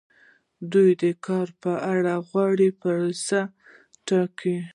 دوی د کار لپاره غوره پروسه ټاکي.